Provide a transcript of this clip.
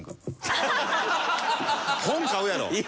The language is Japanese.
本買うやろ！